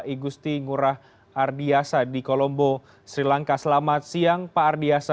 igusti ngurah ardiasa di kolombo sri lanka selamat siang pak ardiasa